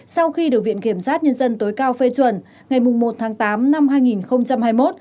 sau khi được viện kiểm sát nhân dân tối cao phê chuẩn ngày một tháng tám năm hai nghìn hai mươi một